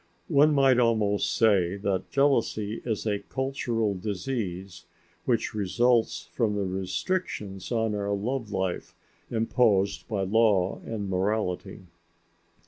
One might almost say that jealousy is a cultural disease which results from the restrictions on our love life imposed by law and morality.